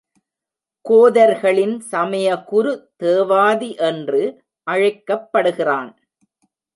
கோதர்களின் சமயகுரு தேவாதி என்று அழைக்கப்படுகிறான்.